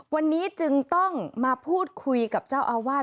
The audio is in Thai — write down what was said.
วันนี้จึงต้องมาพูดคุยกับเจ้าอาวาส